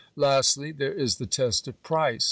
Lastly, there is the test of price.